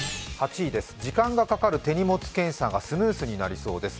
８位です、時間がかかる手荷物検査がスムーズになりそうです。